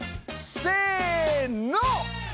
せの！